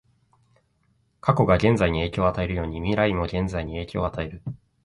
過去が現在に影響を与えるように、未来も現在に影響を与える。